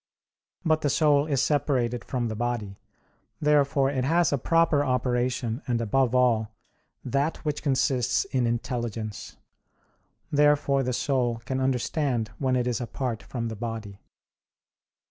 But the soul is separated from the body; therefore it has a proper operation and above all, that which consists in intelligence. Therefore the soul can understand when it is apart from the body.